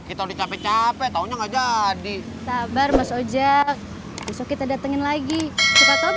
itu pulang faktiskt tuh